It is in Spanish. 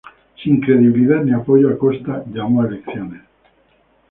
Sin credibilidad ni apoyo Acosta llamó a elecciones.